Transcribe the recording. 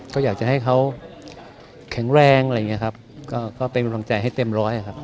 ก็อยากจะให้เขาแข็งแรงอะไรอย่างนี้ครับก็เป็นกำลังใจให้เต็มร้อยครับ